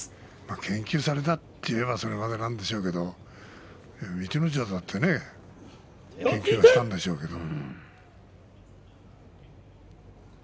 研究されたといえばそれまでなんだけれども逸ノ城だって研究したんでしょうけれど。